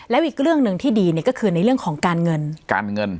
และอีกเรื่องหนึ่งที่ดีเนี่ยก็คือในเรื่องของการเงินการเงิน